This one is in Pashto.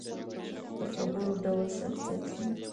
د خبرو ډول شخصیت ښيي